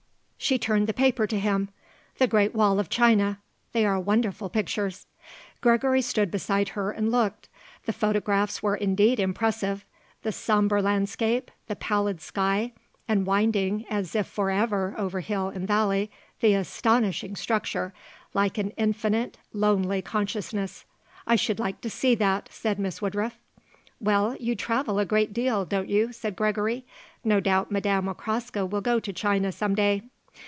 She turned the paper to him. "The Great Wall of China. They are wonderful pictures." Gregory stood beside her and looked. The photographs were indeed impressive. The sombre landscape, the pallid sky, and, winding as if for ever over hill and valley, the astonishing structure, like an infinite lonely consciousness. "I should like to see that," said Miss Woodruff. "Well, you travel a great deal, don't you?" said Gregory. "No doubt Madame Okraska will go to China some day."